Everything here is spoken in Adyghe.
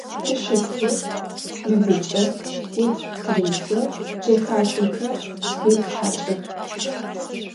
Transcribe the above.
Sşşıpxhu megıç'e, vut tırêdze, cexaşsoxer yêthaç'ıx.